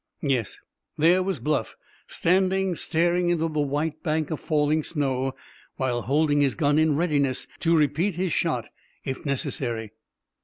Yes, there was Bluff standing staring into the white bank of falling snow, while holding his gun in readiness to repeat his shot, if necessary.